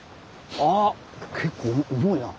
あっ結構重いな。